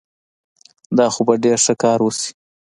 دا خو به ډېر ښه کار وشي.